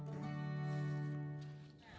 สวัสดีครับ